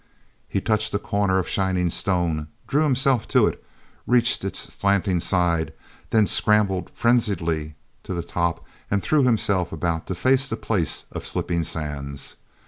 e touched a corner of shining stone, drew himself to it, reached its slanting side, then scrambled frenziedly to the top and threw himself about to face the place of slipping sands.